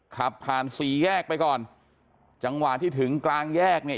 ขับผ่านสี่แยกไปก่อนจังหวะที่ถึงกลางแยกเนี่ย